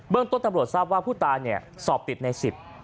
ต้นตำรวจทราบว่าผู้ตายเนี่ยสอบติดในสิบ